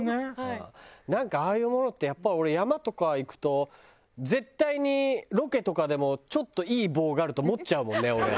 なんかああいうものってやっぱ俺山とか行くと絶対にロケとかでもちょっといい棒があると持っちゃうもんね俺。